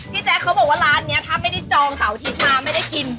พี่แจ๊คเขาบอกว่าร้านนี้ถ้าไม่ได้จองสาวทิศมาไม่ได้กิน